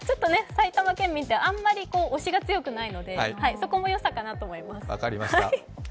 埼玉県民って、あんまり押しが強くないのでそこも良さかなと思います。